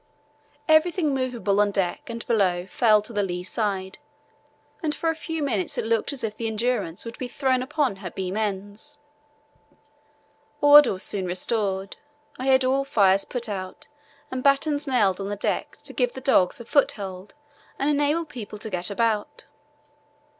Everything movable on deck and below fell to the lee side, and for a few minutes it looked as if the Endurance would be thrown upon her beam ends. Order was soon restored. I had all fires put out and battens nailed on the deck to give the dogs a foothold and enable people to get about.